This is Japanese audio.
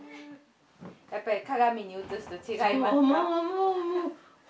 やっぱり鏡に映すと違いますか？